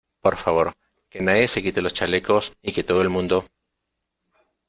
por favor, que nadie se quite los chalecos y que todo el mundo